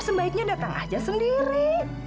sebaiknya datang aja sendiri